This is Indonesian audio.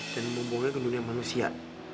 dan mempunyai ke dunia manusia